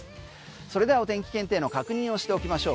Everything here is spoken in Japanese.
それではお天気検定の確認をしておきましょう。